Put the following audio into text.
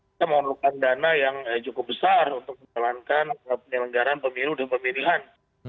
kita mengurukan dana yang cukup besar untuk menjalankan pengelenggaran pemilu dan pemilihan dua ribu dua puluh empat